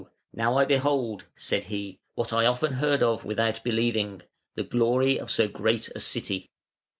now I behold,' said he, 'what I often heard of without believing, the glory of so great a city.'